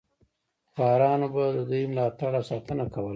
خوارانو به د دوی ملاتړ او ساتنه کوله.